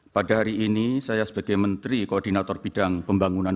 pada hari ini saya sebagai menteri koordinator bidang pembangunan